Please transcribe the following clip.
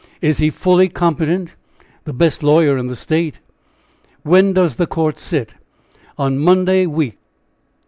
"Is he fully competent?" "The best lawyer in the State." "When does the court sit?" "On Monday week."